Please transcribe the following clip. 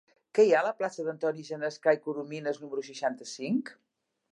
Què hi ha a la plaça d'Antoni Genescà i Corominas número seixanta-cinc?